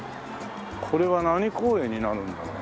これは何公園になるんだろう。